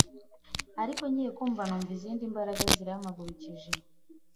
ariko ngiye kumva numva izindi mbaraga zirampagurukije